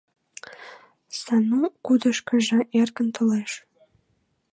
Сану кудышкыжо эркын толеш.